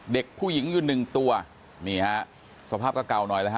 เด็กผู้หญิงอยู่หนึ่งตัวสภาพก็เก่าหน่อยนะครับ